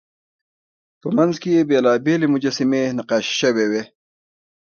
په منځ کې یې بېلابېلې مجسمې نقاشي شوې وې.